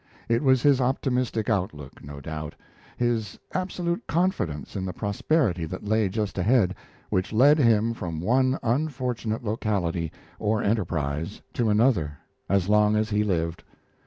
It was his optimistic outlook, no doubt his absolute confidence in the prosperity that lay just ahead which led him from one unfortunate locality or enterprise to another, as long as he lived.